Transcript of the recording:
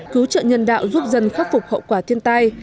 cứu trợ nhân đạo giúp dân khắc phục hậu quả thiên tai